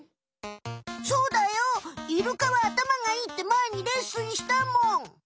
そうだよイルカはあたまがいいってまえにレッスンしたもん！